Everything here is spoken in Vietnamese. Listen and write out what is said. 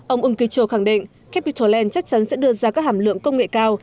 ông ưng kỳ châu khẳng định capital land chắc chắn sẽ đưa ra các hàm lượng công nghệ cao